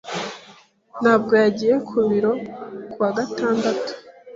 Ntabwo yagiye ku biro kuwa gatandatu.